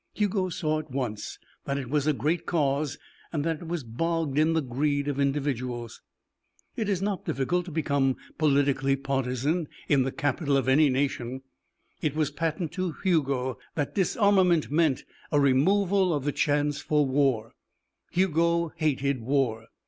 Hugo saw at once that it was a great cause and that it was bogged in the greed of individuals. It is not difficult to become politically partisan in the Capitol of any nation. It was patent to Hugo that disarmament meant a removal of the chance for war; Hugo hated war.